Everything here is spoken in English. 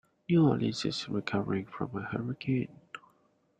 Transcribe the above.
New Orleans is recovering from a hurricane.